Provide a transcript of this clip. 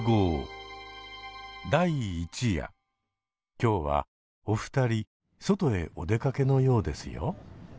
今日はお二人外へお出かけのようですよ。